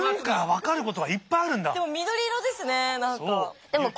でも緑色ですね何か。